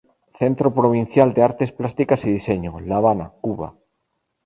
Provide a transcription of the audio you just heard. Centro Provincial de Artes Plásticas y Diseño, La Habana, Cuba.